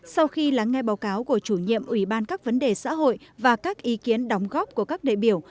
sau khi lắng nghe báo cáo của chủ nhiệm ủy ban các vấn đề xã hội và các ý kiến đóng góp của các đại biểu